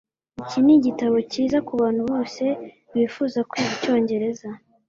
Iki nigitabo cyiza kubantu bose bifuza kwiga icyongereza